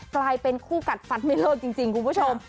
กลายเป็นคู่กัดฟันไม่เลิกจริงคุณผู้ชม